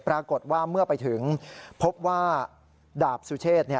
ปรากฏว่าเมื่อไปถึงพบว่าดาบสุเชษ